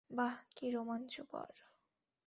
বাহ, কি রোমাঞ্চকর।